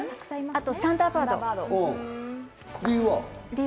あと、サンダーバード。